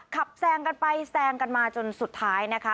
แซงกันไปแซงกันมาจนสุดท้ายนะคะ